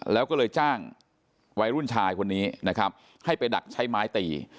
แล้วก็เลยจ้างวัยรุ่นชายคนนี้นะครับให้ไปดักใช้ไม้ตี